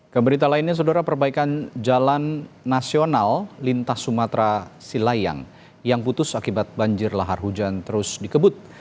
keberita lainnya saudara perbaikan jalan nasional lintas sumatera silayang yang putus akibat banjir lahar hujan terus dikebut